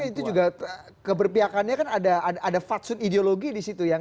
tapi itu juga keberpihakannya kan ada fadsud ideologi disitu ya